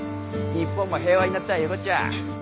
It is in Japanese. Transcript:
日本も平和になったいうこっちゃ。